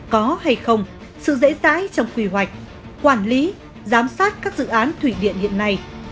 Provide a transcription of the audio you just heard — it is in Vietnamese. có hay không sự dễ dãi trong quy hoạch quản lý giám sát các dự án thủy điện hiện nay